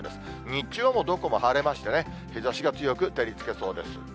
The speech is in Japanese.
日中はもうどこも晴れましてね、日ざしが強く照りつけそうです。